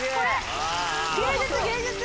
芸術芸術！